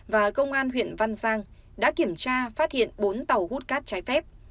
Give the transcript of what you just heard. và công an huyện văn giang đã kiểm tra phát hiện bốn tàu hút cát trái phép